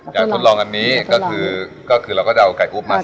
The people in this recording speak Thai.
อยากทดลองอันนี้ก็คือเราก็จะเอาไก่อุ๊บมาส่ง